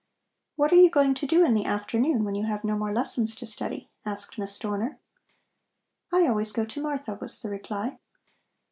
"What are you going to do in the afternoon, when you have no more lessons to study?" asked Miss Dorner. "I always go to Martha," was the reply.